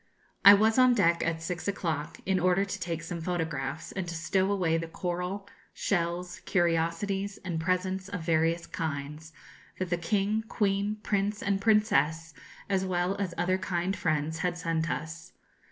I was on deck at six o'clock, in order to take some photographs and to stow away the coral, shells, curiosities, and presents of various kinds, that the King, Queen, Prince and Princess, as well as other kind friends, had sent us.